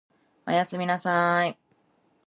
お休みなさい